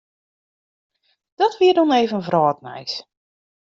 Dat wie doe even wrâldnijs.